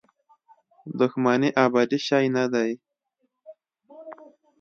دښمني ابدي شی نه دی.